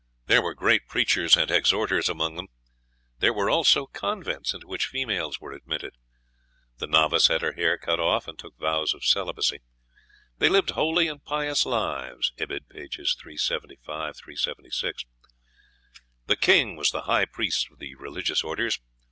There were great preachers and exhorters among them. There were also convents into which females were admitted. The novice had her hair cut off and took vows of celibacy; they lived holy and pious lives. (Ibid., pp. 375, 376.) The king was the high priest of the religious orders.